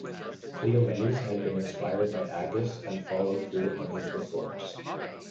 Cleomenes had been inspired by Agis and followed through on his reforms.